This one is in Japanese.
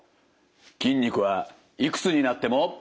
筋肉はいくつになっても。